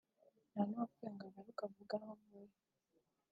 ntanuwapfuye ngo agaruke avuge aho avuye